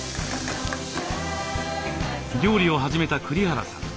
料理を始めた栗原さん。